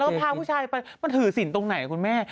แล้วก็ฟ้าผู้ชายไปมาถือสินตรงไหนอะคุณแม่